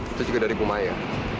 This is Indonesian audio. itu juga dari bu maya